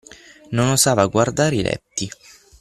Non osava guardare i letti.